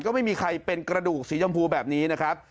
ก็ไม่มีใครเป็นกระดูกสีชมพูแบบนี้นะครับ